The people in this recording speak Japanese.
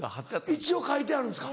一応書いてあるんですか？